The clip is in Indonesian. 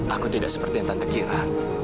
aku tidak seperti yang tante kira